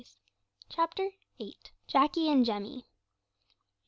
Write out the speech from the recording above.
CHAPTER VIII. JACKY AND JEMMY.